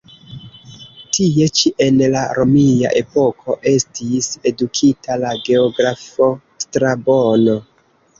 Tie ĉi en la romia epoko estis edukita la geografo Strabono.